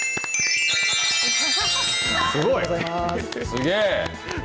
すげえ。